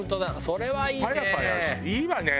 それはいいね。